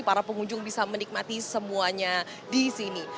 para pengunjung bisa menikmati semuanya disini